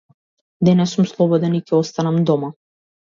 Денес сум слободен и ќе останам дома.